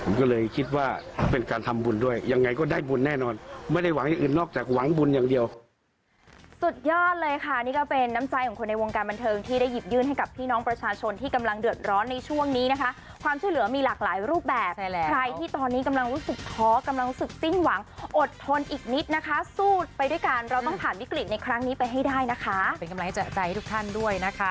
ผมก็เลยคิดว่าเป็นการทำบุญด้วยยังไงก็ได้บุญแน่นอนไม่ได้หวังอย่างอื่นนอกจากหวังบุญอย่างเดียวสุดยอดเลยค่ะ